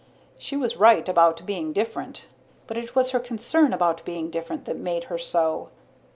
She was right about being different, but it was her concern about being different that made her so.